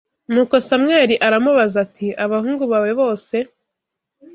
Nuko Samweli aramubaza ati ‘abahungu bawe bose